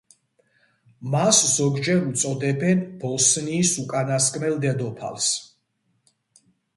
მას ზოგჯერ უწოდებენ „ბოსნიის უკანასკნელ დედოფალს“.